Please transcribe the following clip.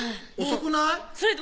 ⁉遅くない？